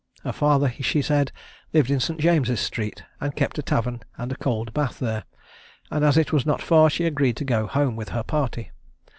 Her father, she said, lived in St. James's street, and kept a tavern and a cold bath there; and as it was not far, she agreed to go home with her party.